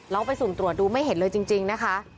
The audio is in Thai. ลองไปสุ่มตรวจดูไม่เห็นเลยจริงนะคะ